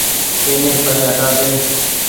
اي ني پري هٽآ ۮي ۔